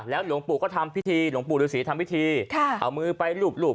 แล้วหลวงปู่ก็ทำพิธีหลวงปู่ลูกศรีทำพิธีค่ะเอามือไปหลุบหลุบ